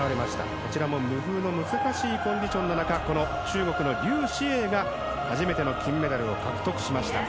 こちらも無風の難しいコンディションの中中国のリュウ・シエイが初めて金メダルを獲得しました。